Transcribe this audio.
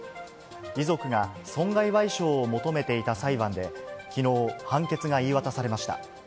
遺族が損害賠償を求めていた裁判で、きのう、判決が言い渡されました。